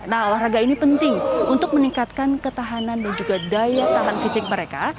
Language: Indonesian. nah olahraga ini penting untuk meningkatkan ketahanan dan juga daya tahan fisik mereka